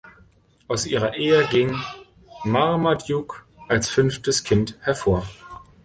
Aus ihrer Ehe ging Marmaduke als fünftes Kind hervor.